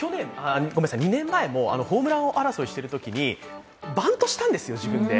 ２年前もホームラン王争いしてるときに、自分でバントしたんですよ